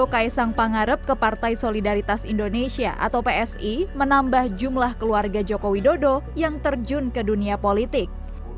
kaisang pangarep ke partai solidaritas indonesia atau psi menambah jumlah keluarga jokowi dodo yang terjun ke dunia politik